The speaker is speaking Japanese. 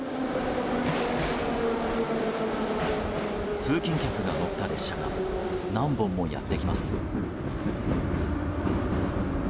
通勤客が乗った列車が何本もやってきます。